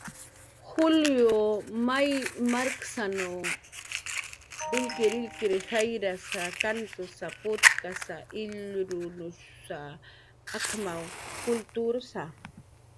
Akura, Juli may markasanawa, illkirillkirir jayra, kantu, putaka, ilrunushsa akaw kultursa.